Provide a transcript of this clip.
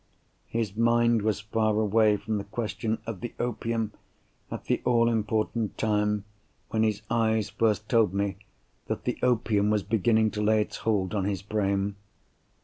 His mind was far away from the question of the opium, at the all important time when his eyes first told me that the opium was beginning to lay its hold on his brain.